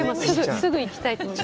すぐ行きたいと思います。